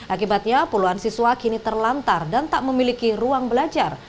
akibatnya puluhan siswa kini terlantar dan tak memiliki ruang belajar